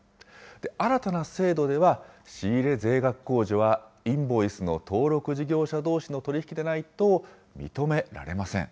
新たな制度では、仕入れ税額控除はインボイスの登録事業者どうしの取り引きでないと認められません。